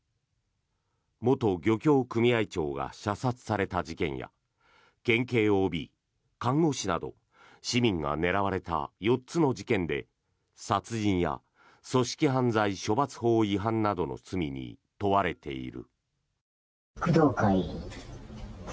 元漁業組合長が射殺された事件や県警ＯＢ、看護師など市民が狙われた４つの事件で殺人や組織犯罪処罰法違反などの罪に問われている。